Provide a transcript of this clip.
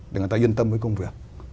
để người ta yên tâm với công việc